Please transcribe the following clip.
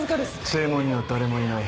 正門には誰もいない。